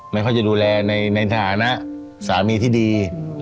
ไม่ค่อยจะดูแลในฐานะสามีที่ดี